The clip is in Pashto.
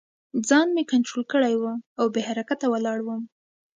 ځان مې کنترول کړی و او بې حرکته ولاړ وم